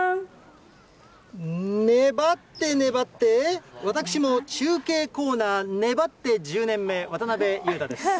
粘って粘って、私も中継コーナー粘って１０年目、渡辺裕太です。